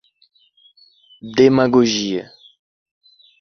demagogia